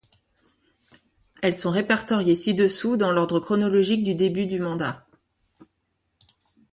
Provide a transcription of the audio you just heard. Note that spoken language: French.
Elles sont répertoriées ci-dessous, dans l'ordre chronologique du début du mandat.